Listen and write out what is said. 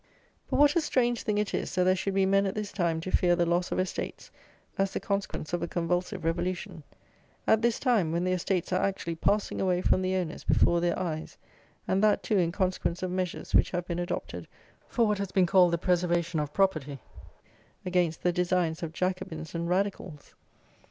But what a strange thing it is, that there should be men at this time to fear the loss of estates as the consequence of a convulsive revolution; at this time, when the estates are actually passing away from the owners before their eyes, and that, too, in consequence of measures which have been adopted for what has been called the preservation of property, against the designs of Jacobins and Radicals!